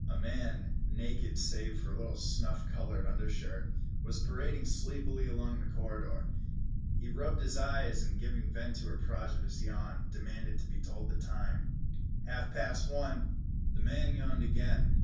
A man, naked save for a little snuff colored undershirt, was parading sleepily along the corridor. He rubbed his eyes, and, giving vent to a prodigious yawn, demanded to be told the time. "Half past one." The man yawned again.